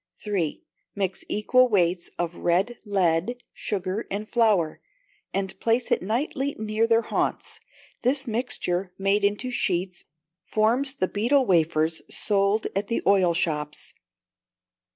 iii. Mix equal weights of red lead, sugar, and flour, and place it nightly near their haunts. This mixture, made into sheets, forms the beetle wafers sold at the oil shops.